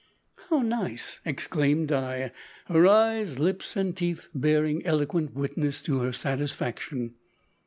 "How nice!" exclaimed Di, her eyes, lips, and teeth bearing eloquent witness to her satisfaction.